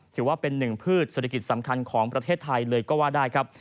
ถือว่าเป็นหนึ่งพืชเศรษฐกิจสำคัญของประเทศไทยเลยก็ว่าได้ครับ